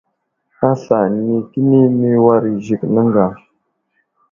Hasla nikəni ni war i Zik nəŋga.